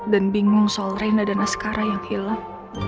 dan bingung soal rena dan askara yang hilang